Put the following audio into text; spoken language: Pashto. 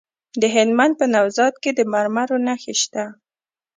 د هلمند په نوزاد کې د مرمرو نښې شته.